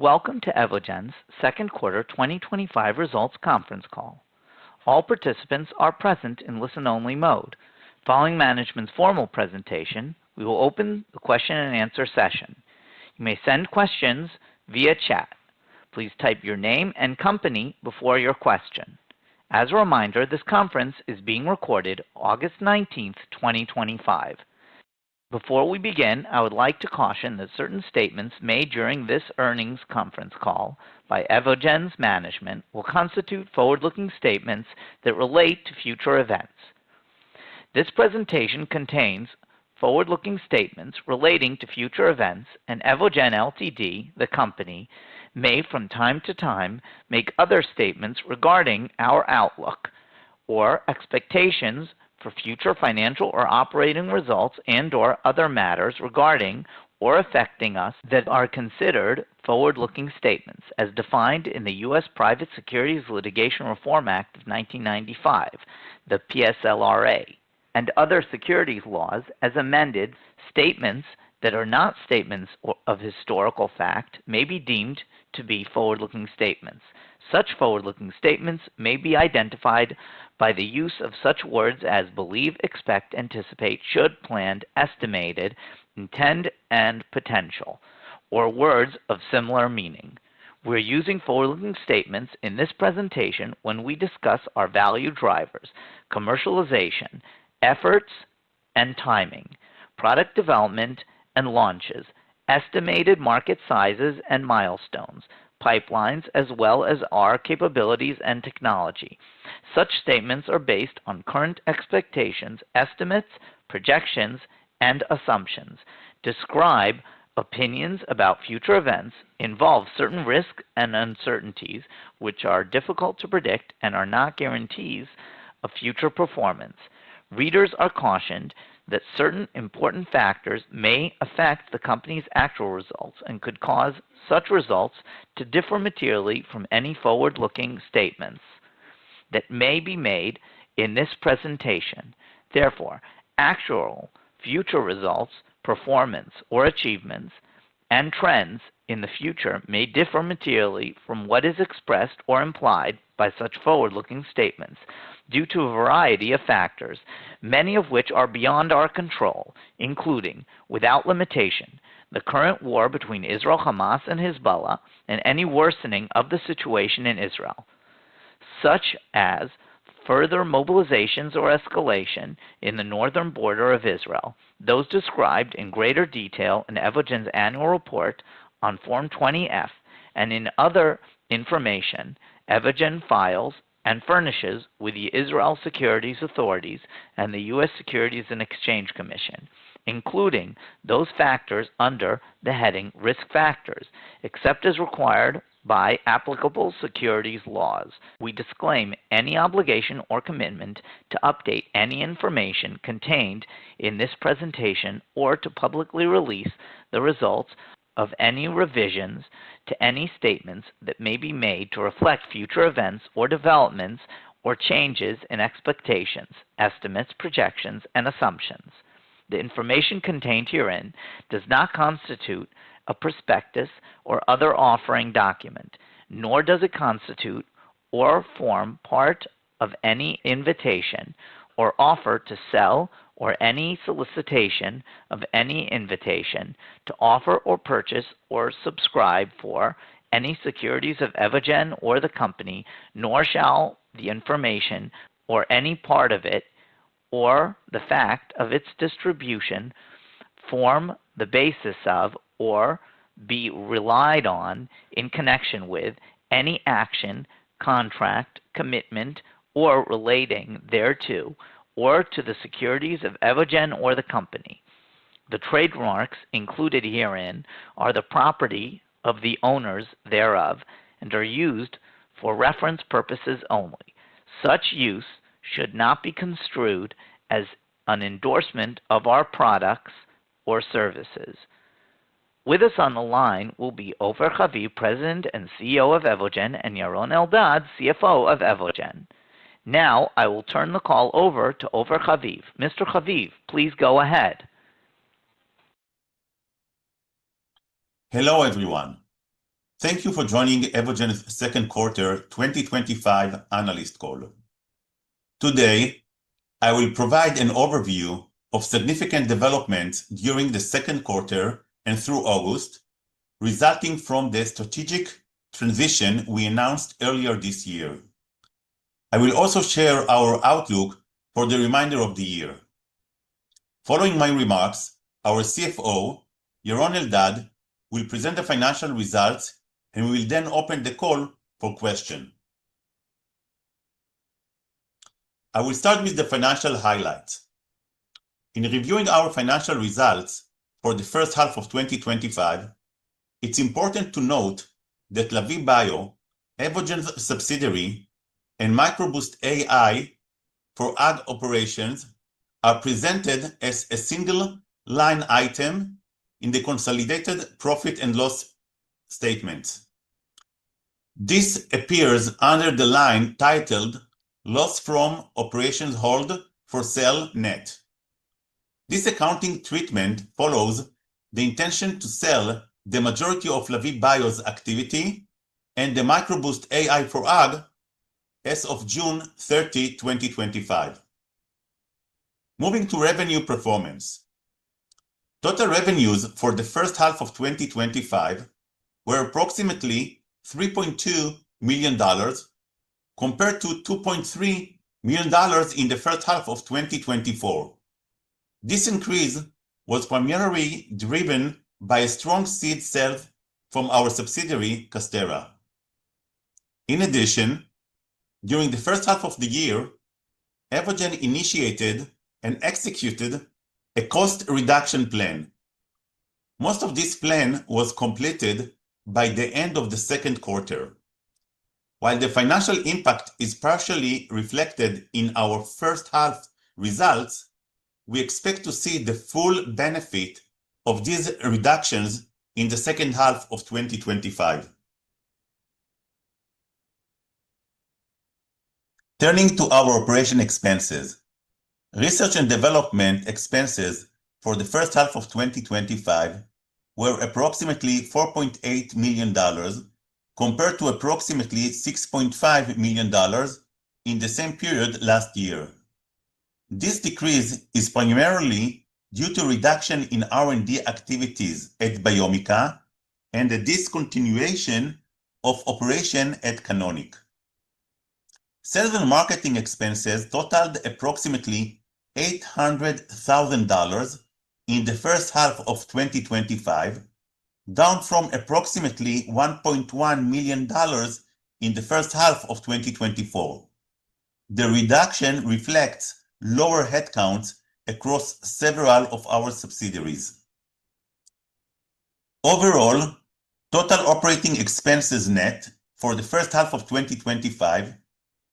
Welcome to Evogene's Second Quarter 2025 Results Conference Call. All participants are present in listen-only mode. Following management's formal presentation, we will open the question and answer session. You may send questions via chat. Please type your name and company before your question. As a reminder, this conference is being recorded on August 19, 2025. Before we begin, I would like to caution that certain statements made during this earnings conference call by Evogene's management will constitute forward-looking statements that relate to future events. This presentation contains forward-looking statements relating to future events and Evogene Ltd., the company, may from time to time make other statements regarding our outlook or expectations for future financial or operating results and/or other matters regarding or affecting us that are considered forward-looking statements, as defined in the U.S. Private Securities Litigation Reform Act of 1995, the PSLRA, and other securities laws as amended. Statements that are not statements of historical fact may be deemed to be forward-looking statements. Such forward-looking statements may be identified by the use of such words as believe, expect, anticipate, should, planned, estimated, intend, and potential, or words of similar meaning. We're using forward-looking statements in this presentation when we discuss our value drivers, commercialization efforts and timing, product development and launches, estimated market sizes and milestones, pipelines, as well as our capabilities and technology. Such statements are based on current expectations, estimates, projections, and assumptions. Described opinions about future events involve certain risks and uncertainties which are difficult to predict and are not guarantees of future performance. Readers are cautioned that certain important factors may affect the company's actual results and could cause such results to differ materially from any forward-looking statements that may be made in this presentation. Therefore, actual future results, performance, or achievements and trends in the future may differ materially from what is expressed or implied by such forward-looking statements due to a variety of factors, many of which are beyond our control, including, without limitation, the current war between Israel, Hamas, and Hezbollah, and any worsening of the situation in Israel, such as further mobilizations or escalation in the northern border of Israel, those described in greater detail in Evogene's annual report on Form 20-F and in other information Evogene files and furnishes with the Israel Securities Authorities and the U.S. Securities and Exchange Commission, including those factors under the heading Risk Factors, except as required by applicable securities laws. We disclaim any obligation or commitment to update any information contained in this presentation or to publicly release the results of any revisions to any statements that may be made to reflect future events or developments or changes in expectations, estimates, projections, and assumptions. The information contained herein does not constitute a prospectus or other offering document, nor does it constitute or form part of any invitation or offer to sell or any solicitation of any invitation to offer or purchase or subscribe for any securities of Evogene or the company, nor shall the information or any part of it or the fact of its distribution form the basis of or be relied on in connection with any action, contract, commitment, or relating thereto or to the securities of Evogene or the company. The trademarks included herein are the property of the owners thereof and are used for reference purposes only. Such use should not be construed as an endorsement of our products or services. With us on the line will be Ofer Haviv, President and CEO of Evogene, and Yaron Eldad, CFO of Evogene. Now I will turn the call over to Ofer Haviv. Mr. Haviv, please go ahead. Hello, everyone. Thank you for joining Evogene's Second Quarter 2025 Conference Call. Today, I will provide an overview of significant developments during the second quarter and through August, resulting from the strategic transition we announced earlier this year. I will also share our outlook for the remainder of the year. Following my remarks, our CFO, Yaron Eldad, will present the financial results, and we will then open the call for questions. I will start with the financial highlights. In reviewing our financial results for the first half of 2025, it's important to note that Lavie Bio, Evogene's subsidiary, and MicroBoost AI for ad operations are presented as a single line item in the consolidated P&L statements. This appears under the line titled Loss from Operations Hold for Sale Net. This accounting treatment follows the intention to sell the majority of Lavie Bio's activity and the MicroBoost AI for ad as of June 30, 2025. Moving to revenue performance, total revenues for the first half of 2025 were approximately $3.2 million compared to $2.3 million in the first half of 2024. This increase was primarily driven by a strong seed sale from our subsidiary, Casterra. In addition, during the first half of the year, Evogene initiated and executed a cost reduction plan. Most of this plan was completed by the end of the second quarter. While the financial impact is partially reflected in our first half results, we expect to see the full benefit of these reductions in the second half of 2025. Turning to our operation expenses, research and development expenses for the first half of 2025 were approximately $4.8 million compared to approximately $6.5 million in the same period last year. This decrease is primarily due to a reduction in R&D activities at Biomica and a discontinuation of operation at Canonic. Sales and marketing expenses totaled approximately $800,000 in the first half of 2025, down from approximately $1.1 million in the first half of 2024. The reduction reflects lower headcounts across several of our subsidiaries. Overall, total operating expenses net for the first half of 2025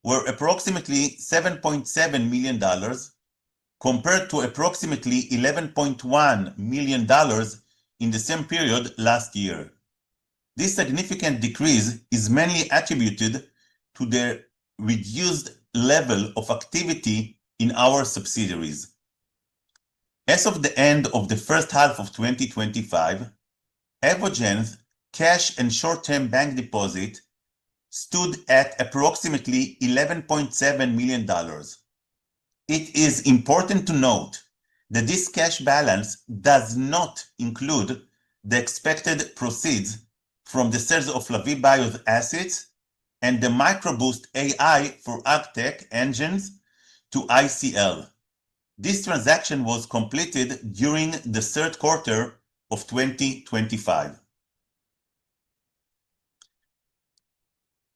were approximately $7.7 million compared to approximately $11.1 million in the same period last year. This significant decrease is mainly attributed to the reduced level of activity in our subsidiaries. As of the end of the first half of 2025, Evogene's cash and short-term bank deposit stood at approximately $11.7 million. It is important to note that this cash balance does not include the expected proceeds from the sales of Lavie Bio's assets and the MicroBoost AI for AgTech engines to ICL. This transaction was completed during the third quarter of 2025.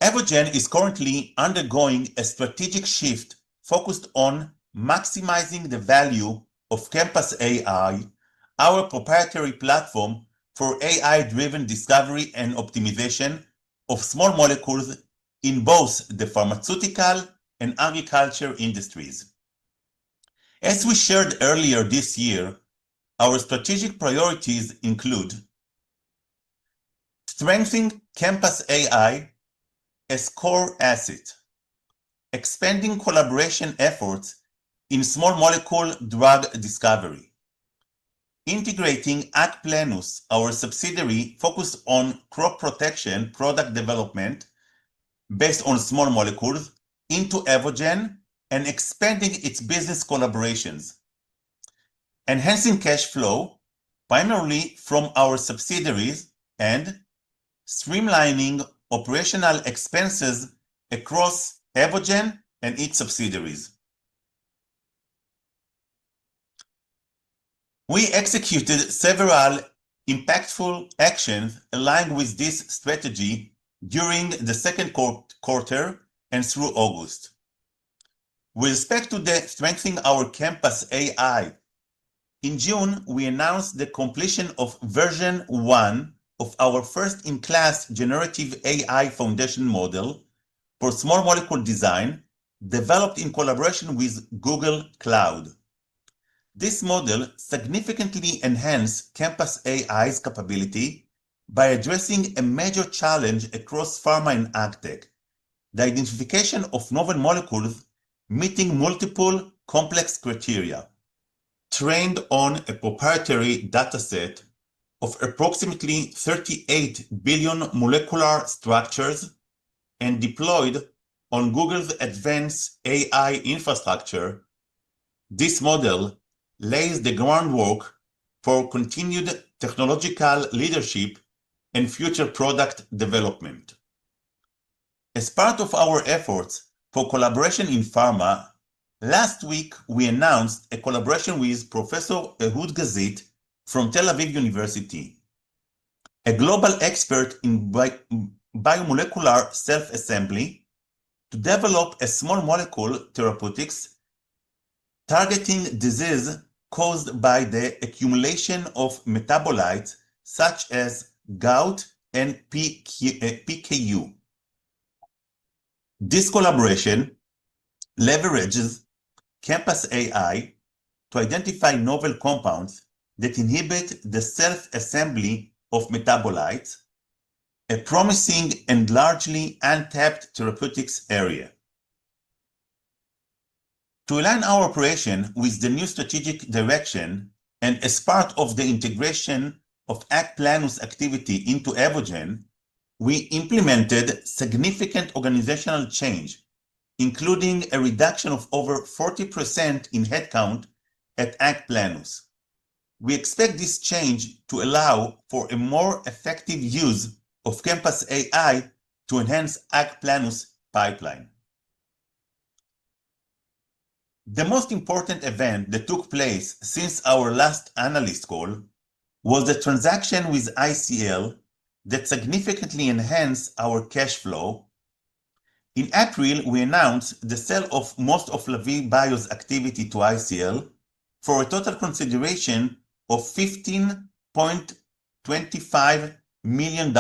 Evogene is currently undergoing a strategic shift focused on maximizing the value of ChemPass AI, our proprietary platform for AI-driven discovery and optimization of small molecules in both the pharmaceutical and agriculture industries. As we shared earlier this year, our strategic priorities include strengthening ChemPass AI as core asset, expanding collaboration efforts in small molecule drug discovery, integrating AgPlenus, our subsidiary focused on crop protection product development based on small molecules, into Evogene and expanding its business collaborations, enhancing cash flow primarily from our subsidiaries, and streamlining operational expenses across Evogene and its subsidiaries. We executed several impactful actions aligned with this strategy during the second quarter and through August. With respect to the strengthening our ChemPass AI, in June, we announced the completion of version one of our first-in-class generative AI foundation model for small molecule design developed in collaboration with Google Cloud. This model significantly enhanced ChemPass AI's capability by addressing a major challenge across pharma and AgTech: the identification of novel molecules meeting multiple complex criteria. Trained on a proprietary dataset of approximately 38 billion molecular structures and deployed on Google's advanced AI infrastructure, this model lays the groundwork for continued technological leadership and future product development. As part of our efforts for collaboration in pharma, last week we announced a collaboration with Professor Ehud Gazit from Tel Aviv University, a global expert in biomolecular self-assembly, to develop a small molecule therapeutic targeting disease caused by the accumulation of metabolites such as gout and PKU. This collaboration leverages ChemPass AI to identify novel compounds that inhibit the self-assembly of metabolites, a promising and largely untapped therapeutics area. To align our operation with the new strategic direction and as part of the integration of AgPlenus activity into Evogene, we implemented significant organizational change, including a reduction of over 40% in headcount at AgPlenus. We expect this change to allow for a more effective use of ChemPass AI to enhance AgPlenus pipeline. The most important event that took place since our last analyst call was the transaction with ICL that significantly enhanced our cash flow. In April, we announced the sale of most of Lavie Bio's activity to ICL for a total consideration of $15.25 million.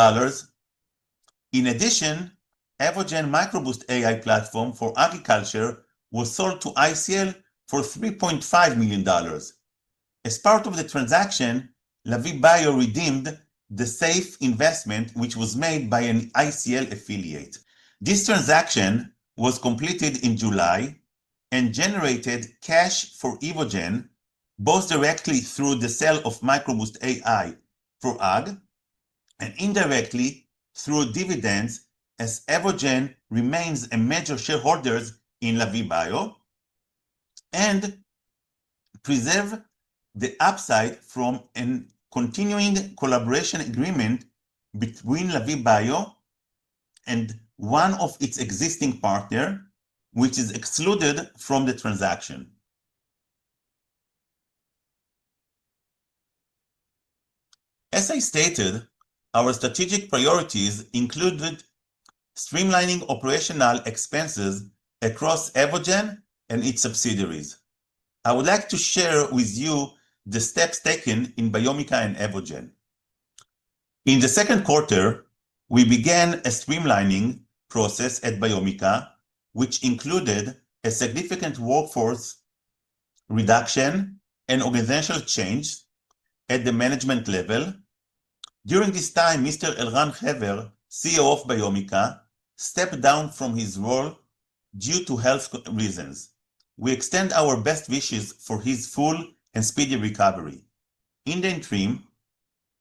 In addition, Evogene MicroBoost AI platform for agriculture was sold to ICL for $3.5 million. As part of the transaction, Lavie Bio redeemed the SAFE investment which was made by an ICL affiliate. This transaction was completed in July and generated cash for Evogene, both directly through the sale of MicroBoost AI for Ag and indirectly through dividends as Evogene remains a major shareholder in Lavie Bio and preserves the upside from a continuing collaboration agreement between Lavie Bio and one of its existing partners, which is excluded from the transaction. As I stated, our strategic priorities included streamlining operational expenses across Evogene and its subsidiaries. I would like to share with you the steps taken in Biomica and Evogene. In the second quarter, we began a streamlining process at Biomica, which included a significant workforce reduction and organizational change at the management level. During this time, Mr. Elran Haber, CEO of Biomica, stepped down from his role due to health reasons. We extend our best wishes for his full and speedy recovery. In the interim,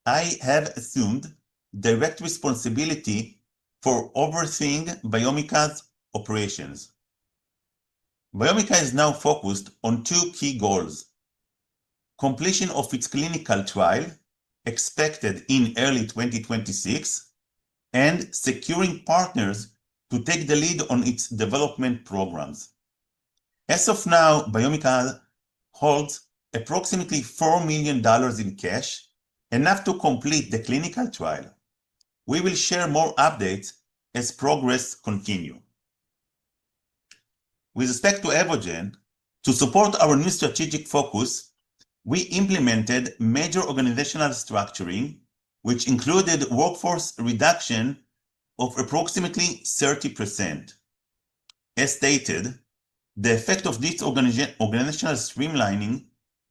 I have assumed direct responsibility for overseeing Biomica's operations. Biomica is now focused on two key goals: completion of its clinical drive expected in early 2026 and securing partners to take the lead on its development programs. As of now, Biomica holds approximately $4 million in cash, enough to complete the clinical trial. We will share more updates as progress continues. With respect to Evogene, to support our new strategic focus, we implemented major organizational structuring, which included workforce reduction of approximately 30%. As stated, the effect of this organizational streamlining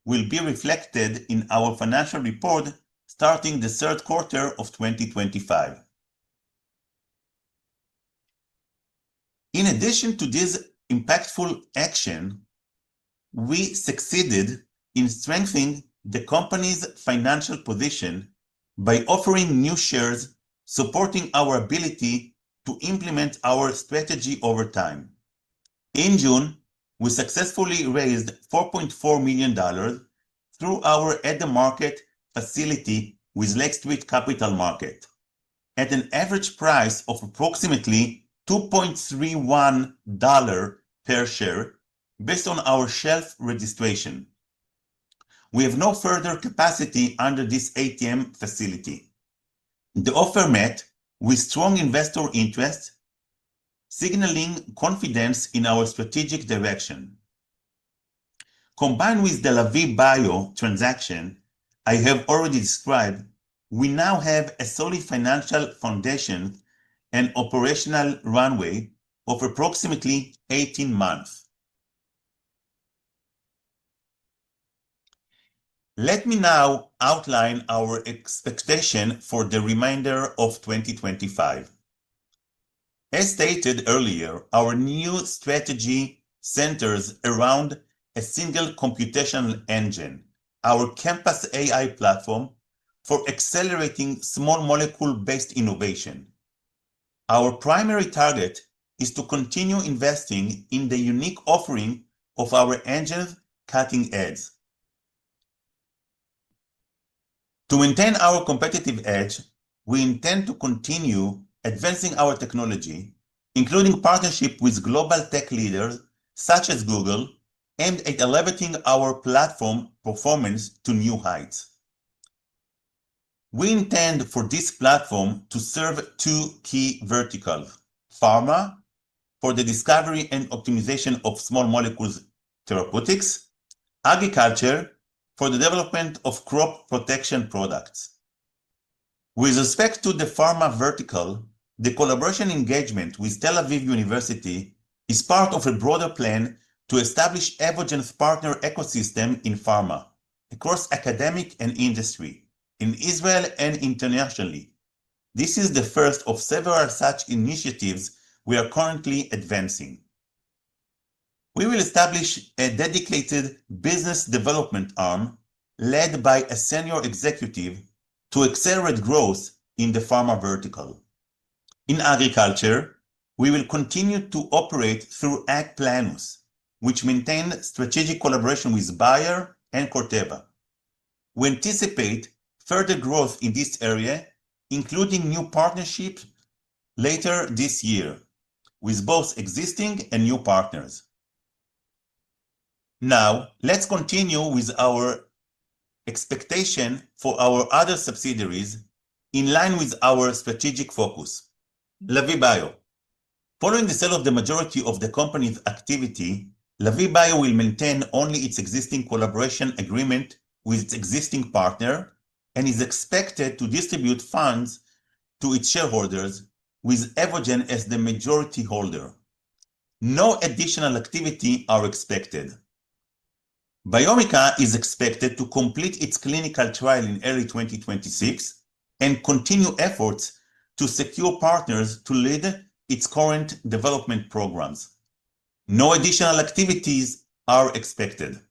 will be reflected in our financial report starting the third quarter of 2025. In addition to this impactful action, we succeeded in strengthening the company's financial position by offering new shares, supporting our ability to implement our strategy over time. In June, we successfully raised $4.4 million through our at-the-market equity facility with Lake Street Capital Market at an average price of approximately $2.31 per share based on our shelf registration. We have no further capacity under this ATM facility. The offer met with strong investor interest, signaling confidence in our strategic direction. Combined with the Lavie Bio transaction I have already described, we now have a solid financial foundation and operational runway of approximately 18 months. Let me now outline our expectation for the remainder of 2025. As stated earlier, our new strategy centers around a single computational engine, our ChemPass AI platform for accelerating small molecule-based innovation. Our primary target is to continue investing in the unique offering of our engine's cutting edge. To maintain our competitive edge, we intend to continue advancing our technology, including partnerships with global tech leaders such as Google Cloud, aimed at elevating our platform performance to new heights. We intend for this platform to serve two key verticals: pharma for the discovery and optimization of small molecule therapeutics, and agriculture for the development of crop protection products. With respect to the pharma vertical, the collaboration engagement with Tel Aviv University is part of a broader plan to establish Evogene's partner ecosystem in pharma across academic and industry, in Israel and internationally. This is the first of several such initiatives we are currently advancing. We will establish a dedicated business development arm led by a Senior Executive to accelerate growth in the pharma vertical. In agriculture, we will continue to operate through AgPlenus, which maintains strategic collaboration with Bayer and Corteva. We anticipate further growth in this area, including new partnerships later this year with both existing and new partners. Now, let's continue with our expectation for our other subsidiaries in line with our strategic focus: Lavie Bio. Following the sale of the majority of the company's activity, Lavie Bio will maintain only its existing collaboration agreement with its existing partner and is expected to distribute funds to its shareholders with Evogene as the majority holder. No additional activity is expected. Biomica is expected to complete its clinical trial in early 2026 and continue efforts to secure partners to lead its current development programs. No additional activities are expected.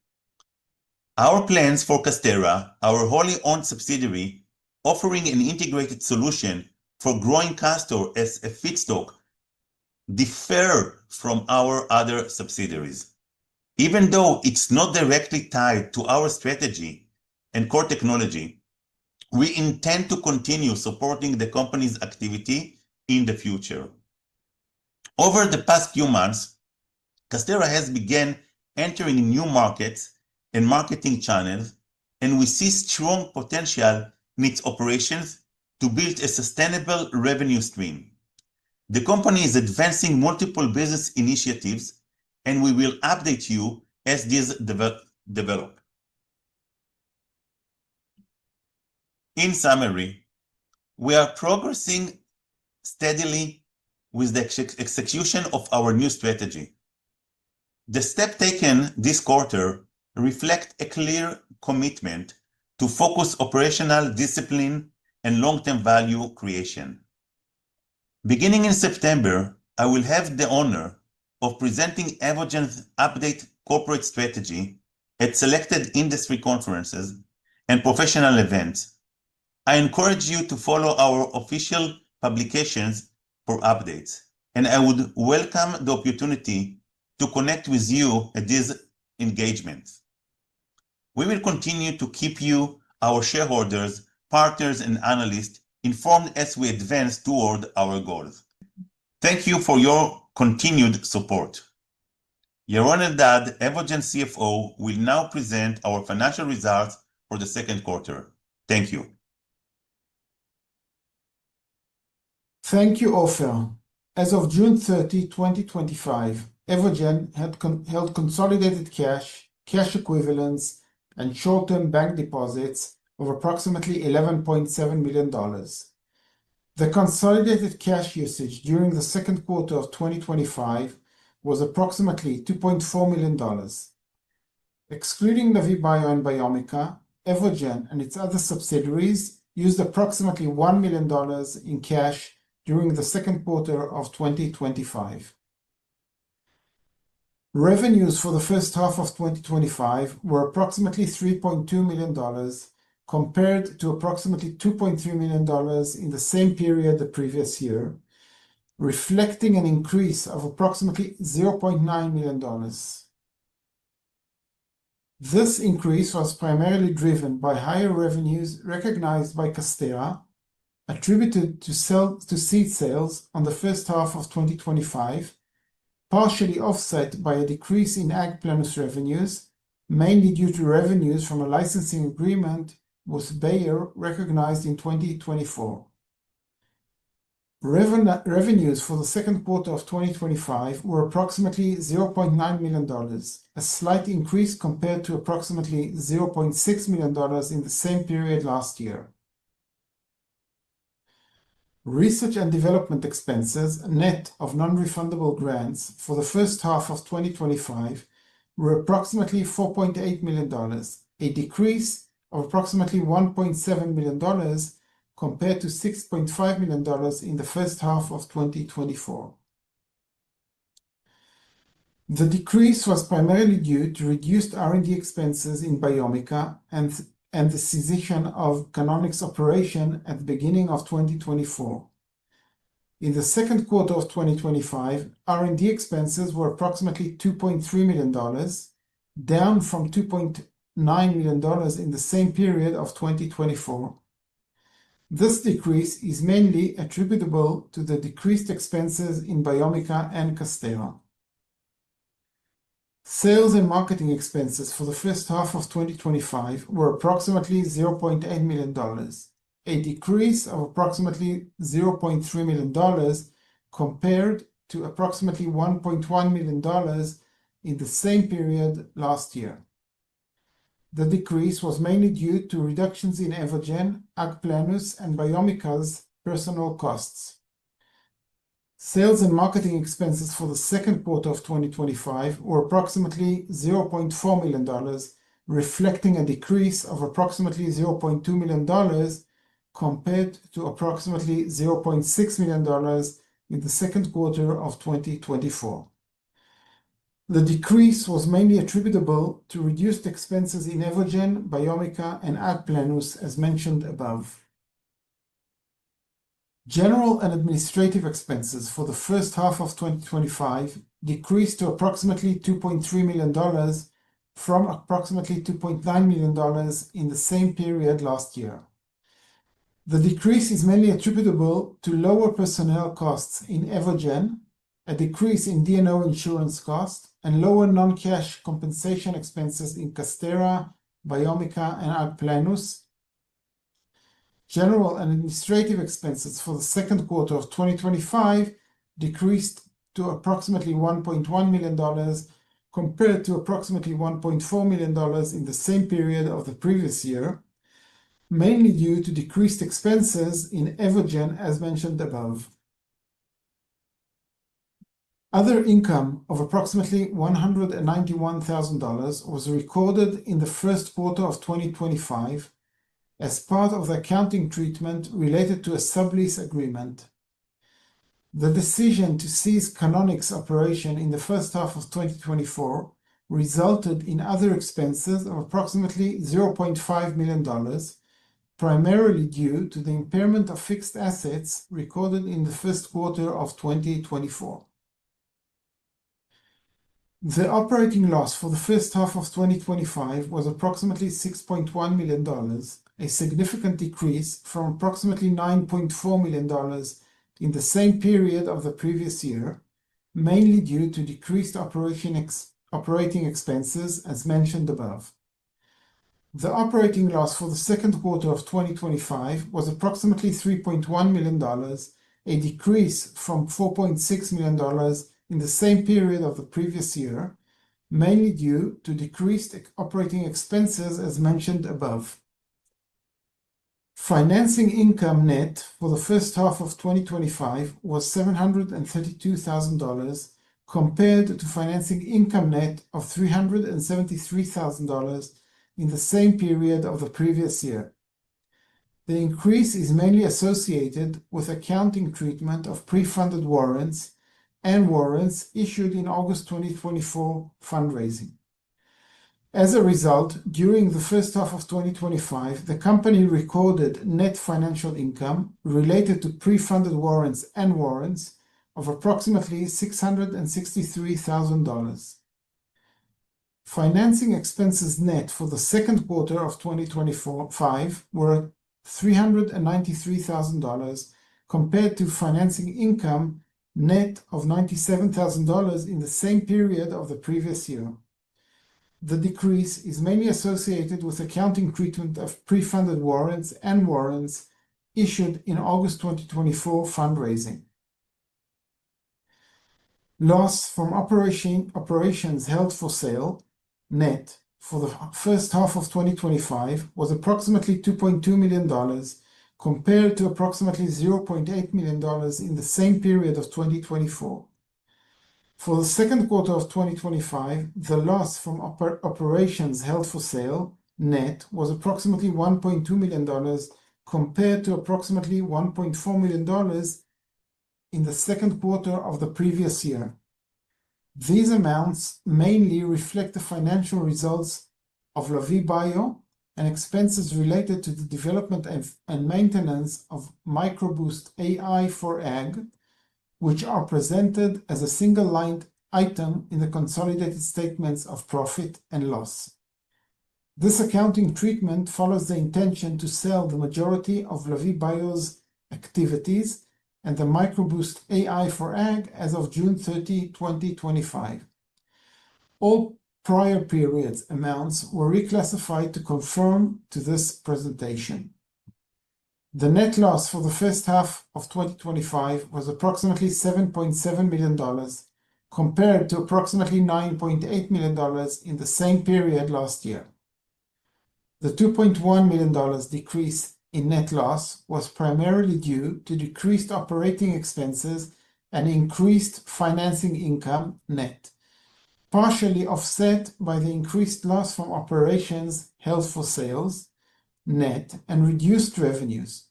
Our plans for Casterra, our wholly owned subsidiary, offering an integrated solution for growing castor as a feedstock, differ from our other subsidiaries. Even though it's not directly tied to our strategy and core technology, we intend to continue supporting the company's activity in the future. Over the past few months, Casterra has begun entering new markets and marketing channels, and we see strong potential in its operations to build a sustainable revenue stream. The company is advancing multiple business initiatives, and we will update you as these develop. In summary, we are progressing steadily with the execution of our new strategy. The steps taken this quarter reflect a clear commitment to focus operational discipline and long-term value creation. Beginning in September, I will have the honor of presenting Evogene's updated corporate strategy at selected industry conferences and professional events. I encourage you to follow our official publications for updates, and I would welcome the opportunity to connect with you at these engagements. We will continue to keep you, our shareholders, partners, and analysts informed as we advance toward our goals. Thank you for your continued support. Yaron Eldad, Evogene's CFO, will now present our financial results for the second quarter. Thank you. Thank you, Ofer. As of June 30, 2025, Evogene had held consolidated cash, cash equivalents, and short-term bank deposits of approximately $11.7 million. The consolidated cash usage during the second quarter of 2025 was approximately $2.4 million. Excluding Lavie Bio and Biomica, Evogene and its other subsidiaries used approximately $1 million in cash during the second quarter of 2025. Revenues for the first half of 2025 were approximately $3.2 million compared to approximately $2.3 million in the same period the previous year, reflecting an increase of approximately $0.9 million. This increase was primarily driven by higher revenues recognized by Casterra, attributed to seed sales in the first half of 2025, partially offset by a decrease in AgPlenus revenues, mainly due to revenues from a licensing agreement with Bayer recognized in 2024. Revenues for the second quarter of 2025 were approximately $0.9 million, a slight increase compared to approximately $0.6 million in the same period last year. Research and development expenses net of non-refundable grants for the first half of 2025 were approximately $4.8 million, a decrease of approximately $1.7 million compared to $6.5 million in the first half of 2024. The decrease was primarily due to reduced R&D expenses in Biomica and the cessation of Canonic's operation at the beginning of 2024. In the second quarter of 2025, R&D expenses were approximately $2.3 million, down from $2.9 million in the same period of 2024. This decrease is mainly attributable to the decreased expenses in Biomica and Casterra. Sales and marketing expenses for the first half of 2025 were approximately $0.8 million, a decrease of approximately $0.3 million compared to approximately $1.1 million in the same period last year. The decrease was mainly due to reductions in Evogene, AgPlenus, and Biomica's personnel costs. Sales and marketing expenses for the second quarter of 2025 were approximately $0.4 million, reflecting a decrease of approximately $0.2 million compared to approximately $0.6 million in the second quarter of 2024. The decrease was mainly attributable to reduced expenses in Evogene, Biomica, and AgPlenus, as mentioned above. General and administrative expenses for the first half of 2025 decreased to approximately $2.3 million from approximately $2.9 million in the same period last year. The decrease is mainly attributable to lower personnel costs in Evogene, a decrease in D&O insurance costs, and lower non-cash compensation expenses in Casterra, Biomica, and AgPlenus. General and administrative expenses for the second quarter of 2025 decreased to approximately $1.1 million compared to approximately $1.4 million in the same period of the previous year, mainly due to decreased expenses in Evogene, as mentioned above. Other income of approximately $191,000 was recorded in the first quarter of 2025 as part of the accounting treatment related to a sublease agreement. The decision to cease Canonic's operation in the first half of 2024 resulted in other expenses of approximately $0.5 million, primarily due to the impairment of fixed assets recorded in the first quarter of 2024. The operating loss for the first half of 2025 was approximately $6.1 million, a significant decrease from approximately $9.4 million in the same period of the previous year, mainly due to decreased operating expenses, as mentioned above. The operating loss for the second quarter of 2025 was approximately $3.1 million, a decrease from $4.6 million in the same period of the previous year, mainly due to decreased operating expenses, as mentioned above. Financing income net for the first half of 2025 was $732,000 compared to financing income net of $373,000 in the same period of the previous year. The increase is mainly associated with accounting treatment of pre-funded warrants and warrants issued in August 2024 fundraising. As a result, during the first half of 2025, the company recorded net financial income related to pre-funded warrants and warrants of approximately $663,000. Financing expenses net for the second quarter of 2025 were $393,000 compared to financing income net of $97,000 in the same period of the previous year. The decrease is mainly associated with accounting treatment of pre-funded warrants and warrants issued in August 2024 fundraising. Loss from operations held for sale net for the first half of 2025 was approximately $2.2 million compared to approximately $0.8 million in the same period of 2024. For the second quarter of 2025, the loss from operations held for sale net was approximately $1.2 million compared to approximately $1.4 million in the second quarter of the previous year. These amounts mainly reflect the financial results of Lavie Bio and expenses related to the development and maintenance of MicroBoost AI for Ag, which are presented as a single line item in the consolidated statements of profit and loss. This accounting treatment follows the intention to sell the majority of Lavie Bio's activities and the MicroBoost AI for Ag as of June 30, 2025. All prior periods' amounts were reclassified to conform to this presentation. The net loss for the first half of 2025 was approximately $7.7 million compared to approximately $9.8 million in the same period last year. The $2.1 million decrease in net loss was primarily due to decreased operating expenses and increased financing income net, partially offset by the increased loss from operations held for sale net and reduced revenues.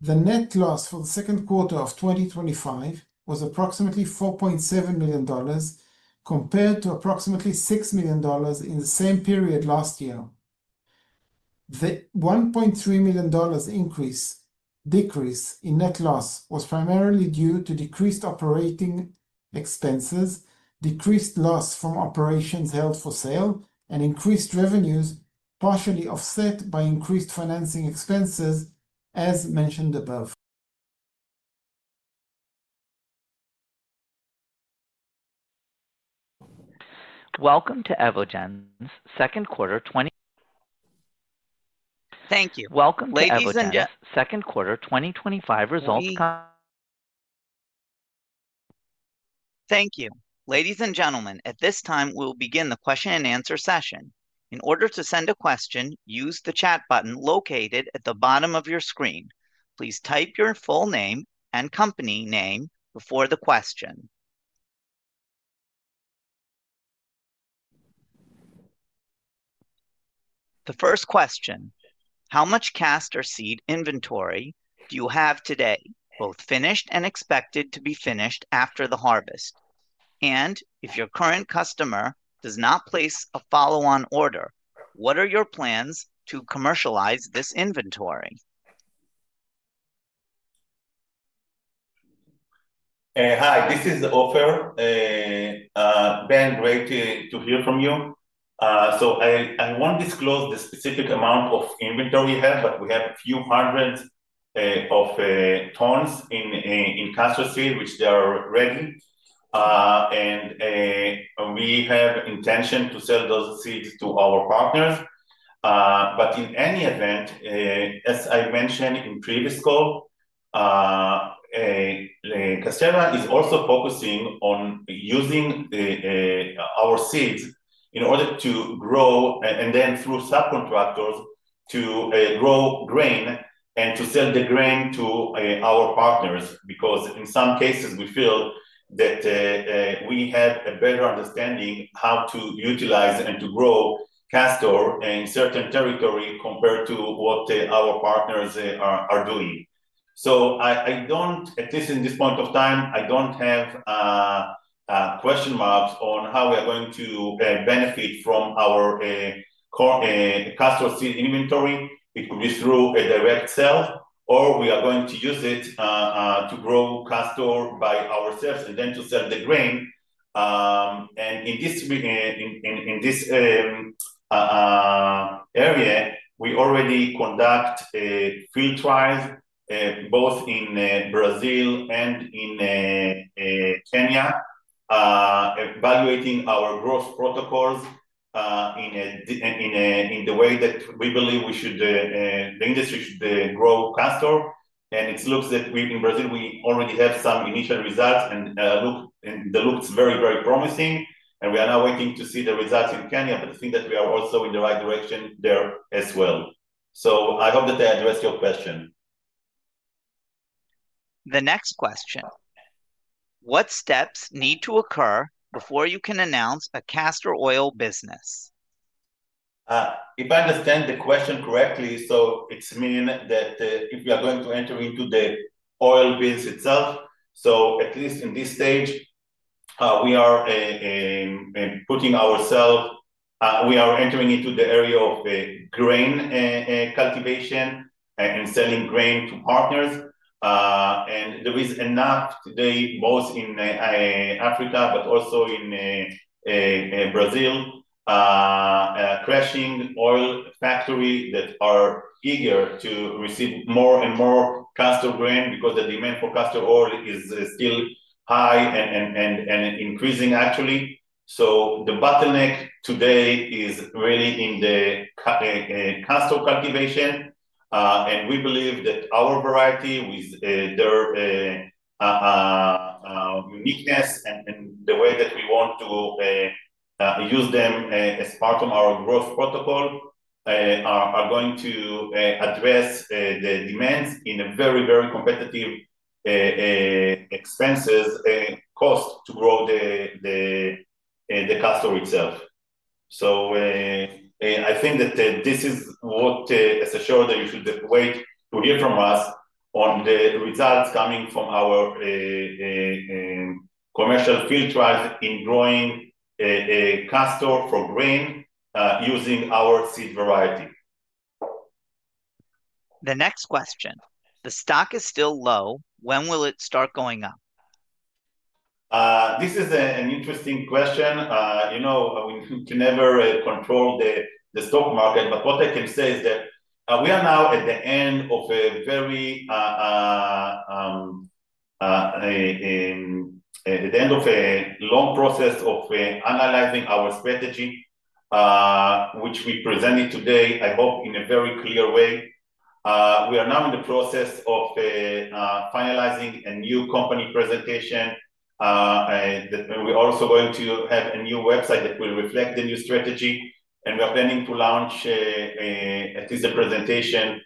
The net loss for the second quarter of 2025 was approximately $4.7 million compared to approximately $6 million in the same period last year. The $1.3 million decrease in net loss was primarily due to decreased operating expenses, decreased loss from operations held for sale, and increased revenues, partially offset by increased financing expenses, as mentioned above. Welcome to Evogene's second quarter. Thank you. Welcome, ladies and gentlemen. Second quarter 2025 results come. Thank you. Ladies and gentlemen, at this time, we'll begin the question and answer session. In order to send a question, use the chat button located at the bottom of your screen. Please type your full name and company name before the question. The first question: How much castor seed inventory do you have today, both finished and expected to be finished after the harvest? If your current customer does not place a follow-on order, what are your plans to commercialize this inventory? Hi, this is Ofer. Been great to hear from you. I won't disclose the specific amount of inventory we have, but we have a few 100s of tons in castor seed which are ready. We have the intention to sell those seeds to our partners. In any event, as I mentioned in previous call, Casterra is also focusing on using our seeds in order to grow and then through subcontractors to grow grain and to sell the grain to our partners because in some cases we feel that we have a better understanding of how to utilize and to grow castor in certain territories compared to what our partners are doing. I don't, at least at this point of time, have question marks on how we're going to benefit from our castor seed inventory. It could be through a direct sale or we are going to use it to grow castor by ourselves and then to sell the grain. In this area, we already conduct field trials both in Brazil and in Kenya, evaluating our growth protocols in the way that we believe the industry should grow castor. It looks like in Brazil we already have some initial results and the look is very, very promising. We are now waiting to see the results in Kenya, but I think that we are also in the right direction there as well. I hope that I addressed your question. The next question: What steps need to occur before you can announce a castor oil business? If I understand the question correctly, it means that if you are going to enter into the oil business itself, at least in this stage, we are putting ourselves, we are entering into the area of grain cultivation and selling grain to partners. There is enough today both in Africa and also in Brazil, crushing oil factories that are eager to receive more and more castor grain because the demand for castor oil is still high and increasing naturally. The bottleneck today is really in the castor cultivation. We believe that our variety with their uniqueness and the way that we want to use them as part of our growth protocol are going to address the demands in a very, very competitive expenses cost to grow the castor itself. I think that this is what, as I showed, that you should wait to hear from us on the results coming from our commercial field trials in growing castor for grain using our seed variety. The next question: The stock is still low. When will it start going up? This is an interesting question. You know, you can never control the stock market, but what I can say is that we are now at the end of a very, at the end of a long process of analyzing our strategy, which we presented today, I hope, in a very clear way. We are now in the process of finalizing a new company presentation. We are also going to add a new website that will reflect the new strategy. We are planning to launch at least a presentation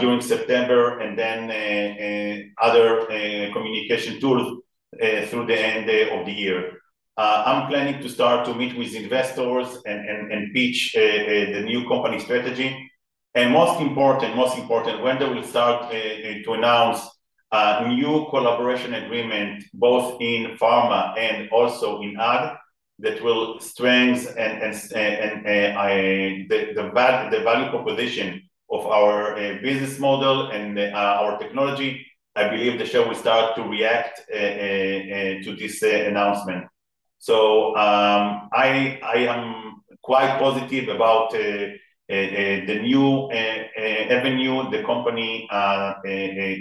during September and then other communication tools through the end of the year. I'm planning to start to meet with investors and pitch the new company strategy. Most important, when do we start to announce a new collaboration agreement both in pharma and also in Ag that will strengthen and the value proposition of our business model and our technology? I believe the show will start to react to this announcement. I am quite positive about the new avenue the company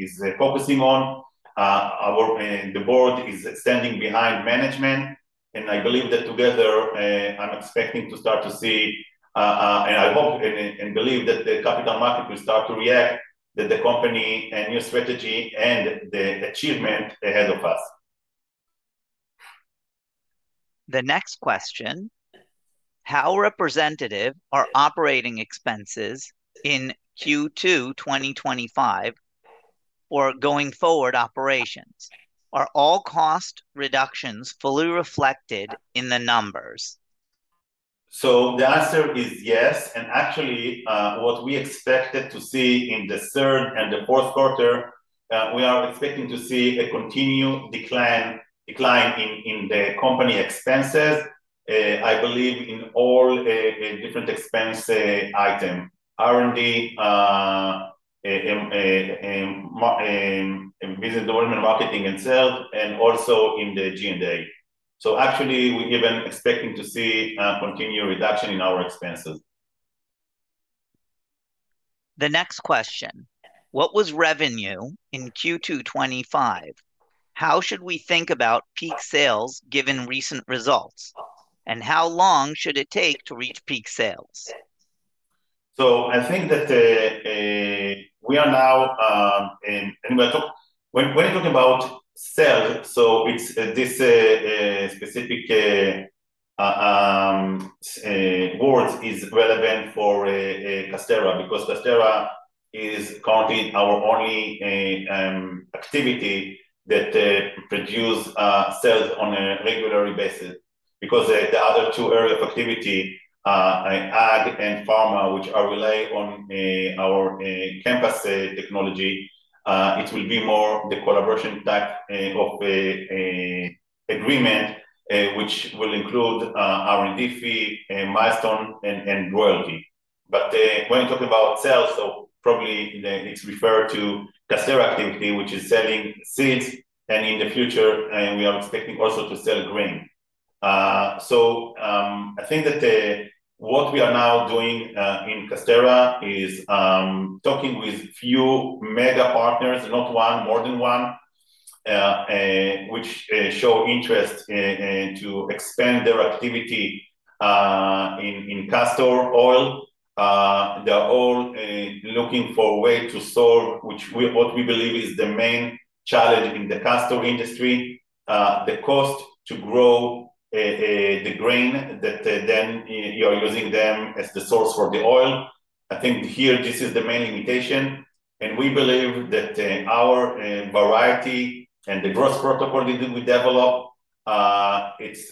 is focusing on. The board is standing behind management. I believe that together I'm expecting to start to see, and I hope and believe that the market will start to react to the company and new strategy and the achievement ahead of us. The next question: How representative are operating expenses in Q2 2025 or going forward operations? Are all cost reductions fully reflected in the numbers? Yes, actually, what we expected to see in the third and the fourth quarter, we are expecting to see a continued decline in the company expenses, I believe, in all different expense items: R&D, business development, marketing itself, and also in the G&A. We're even expecting to see a continued reduction in our expenses. The next question: What was revenue in Q2 2025? How should we think about peak sales given recent results? How long should it take to reach peak sales? I think that we are now, when we talk about sales, this specific board is relevant for Casterra because Casterra is currently our only activity that produces sales on a regular basis. The other two areas of activity are ag and pharma, which rely on our ChemPass AI technology. It will be more the collaboration type of agreement, which will include R&D fee, milestone, and royalty. When you talk about sales, it's probably referred to Casterra Ag which is selling seeds, and in the future, we are expecting also to sell grain. I think that what we are now doing in Casterra is talking with a few major partners, not one, more than one, which show interest to expand their activity in castor oil. They're all looking for a way to solve what we believe is the main challenge in the castor industry: the cost to grow the grain that then you are using them as the source for the oil. I think here this is the main limitation. We believe that our variety and the growth protocol that we develop,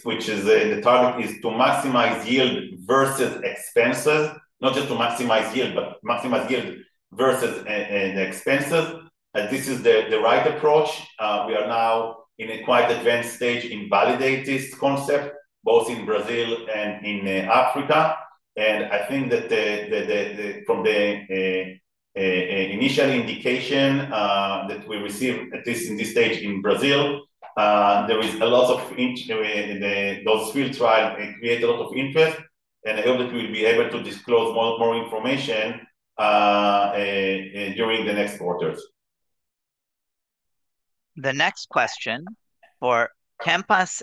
which is the target, is to maximize yield versus expenses, not just to maximize yield, but maximize yield versus expenses. This is the right approach. We are now in a quite advanced stage in validating this concept both in Brazil and in Africa. I think that from the initial indication that we received, at least in this stage in Brazil, there was a lot of interest in those field trials that created a lot of interest. I hope that we'll be able to disclose more and more information during the next quarters. The next question: For ChemPass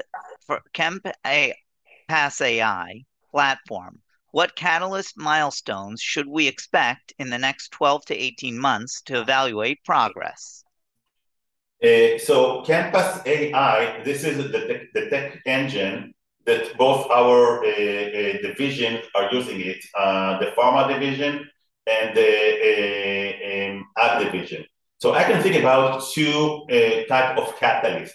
AI platform, what catalyst milestones should we expect in the next 12-18 months to evaluate progress? ChemPass AI, this is the tech engine that both our divisions are using, the pharma division and the ag division. I can think about two types of catalysts.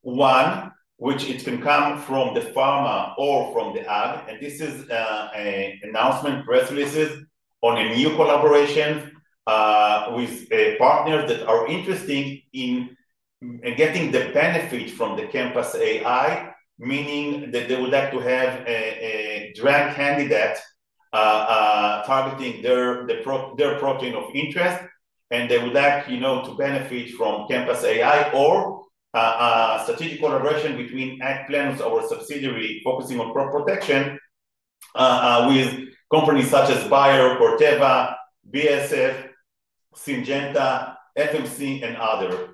One, which can come from the pharma or from the ag, is an announcement basically on a new collaboration with partners that are interested in getting the benefit from the ChemPass AI, meaning that they would like to have a drug candidate targeting their property of interest. They would like to benefit from ChemPass AI or a strategic collaboration between AgPlenus, our subsidiary focusing on crop protection, with companies such as Bayer, Corteva, BASF, Syngenta, FMC, and others.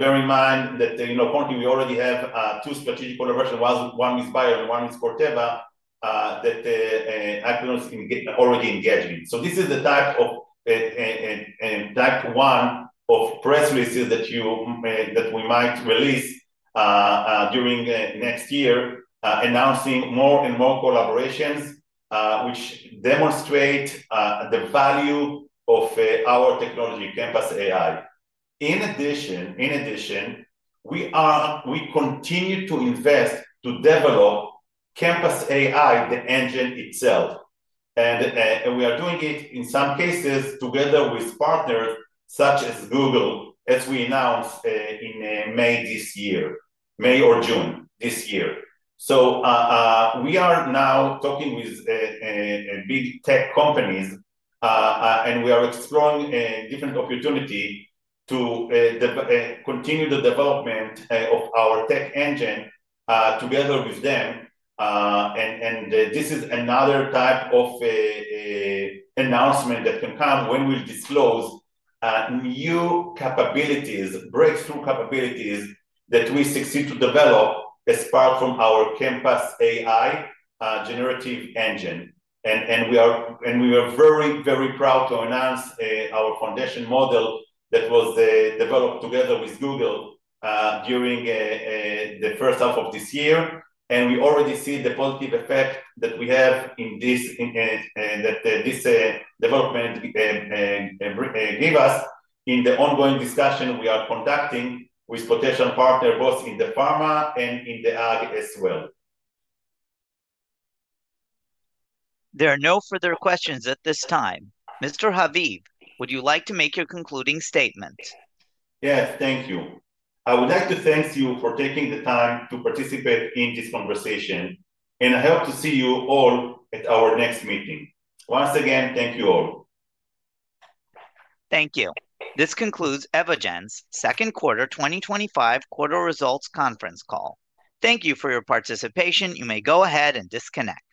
Bear in mind that currently we already have two strategic collaborations. One is Bayer and one is Corteva that I've already engaged in. This is the type one of press releases that we might release during the next year, announcing more and more collaborations which demonstrate the value of our technology, ChemPass AI. In addition, we continue to invest to develop ChemPass AI, the engine itself. We are doing it in some cases together with partners such as Google Cloud as we announced in May this year, May or June this year. We are now talking with big tech companies, and we are exploring different opportunities to continue the development of our tech engine together with them. This is another type of announcement that can come when we disclose new capabilities, breakthrough capabilities that we succeed to develop as part of our ChemPass AI generative engine. We are very, very proud to announce our foundation model that was developed together with Google Cloud during the first half of this year. We already see the positive effect that we have in this and that this development gave us in the ongoing discussion we are conducting with potential partners both in the pharma and in the Ag as well. There are no further questions at this time. Mr. Haviv, would you like to make your concluding statement? Yes, thank you. I would like to thank you for taking the time to participate in this conversation. I hope to see you all at our next meeting. Once again, thank you all. Thank you. This concludes Evogene's Second Quarter 2025 Results Conference Call. Thank you for your participation. You may go ahead and disconnect.